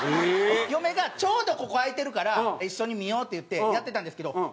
嫁がちょうどここ空いてるから一緒に見ようっていってやってたんですけど